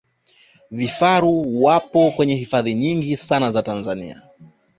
vifaru wapo kwenye hifadhi nyingi sana za tanzania